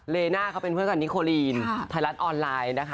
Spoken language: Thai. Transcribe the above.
เลน่าเขาเป็นเพื่อนกันนิโคลีนไทยรัฐออนไลน์นะคะ